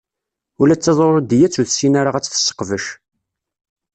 Ula d taẓrudiyat ur tessin ara ad tt-tesseqbec.